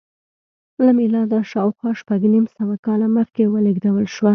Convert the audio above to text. له میلاده شاوخوا شپږ نیم سوه کاله مخکې ولېږدول شوه